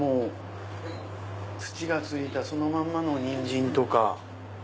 土がついたそのまんまのニンジンとか。